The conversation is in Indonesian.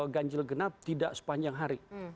ganjil genap tidak sepanjang hari